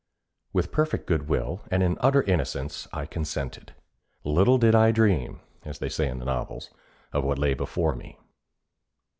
With perfect good will, and in utter innocence, I consented. Little did I dream, as they say in the novels, of what lay before me.